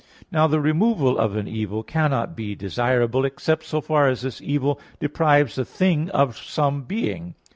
Now the removal of an evil cannot be desirable, except so far as this evil deprives a thing of some being.